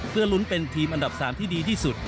เพื่อลุ้นเป็นทีมอันดับ๓ที่ดีที่สุด